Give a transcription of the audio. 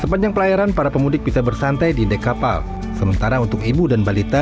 sepanjang pelayaran para pemudik bisa bersantai di dek kapal sementara untuk ibu dan balita